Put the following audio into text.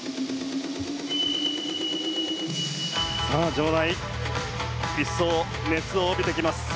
場内、一層熱を帯びてきます。